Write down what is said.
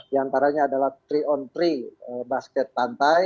di antaranya adalah tiga on tiga basket pantai